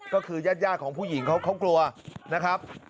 ก็คือญาติของผู้หญิงเขากลัวนะครับ